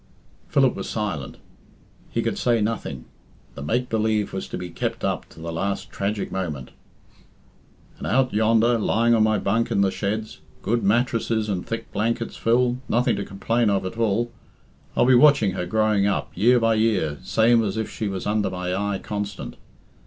Philip was silent. He could say nothing. The make believe was to be kept up to the last tragic moment. "And out yonder, lying on my hunk in the sheds good mattresses and thick blankets, Phil, nothing to complain of at all I'll be watching her growing up, year by year, same as if she was under my eye constant.